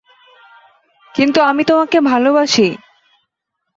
কিন্তু আমি তোমাকে ভালোবাসি।